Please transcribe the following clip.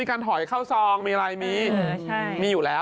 การถอยเข้าซองมีอะไรมีมีอยู่แล้ว